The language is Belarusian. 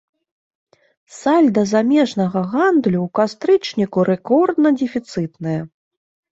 Сальда замежнага гандлю ў кастрычніку рэкордна дэфіцытнае.